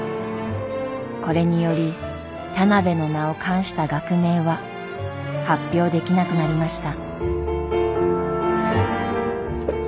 これにより田邊の名を冠した学名は発表できなくなりました。